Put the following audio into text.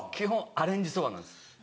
アレンジそばなんです。